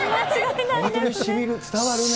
本当にしみる、伝わるね。